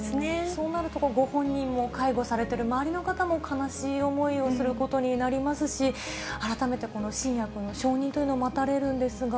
そうなるとご本人も、介護されてる周りの方も、悲しい思いをすることになりますし、改めてこの新薬の承認というのが待たれるんですが。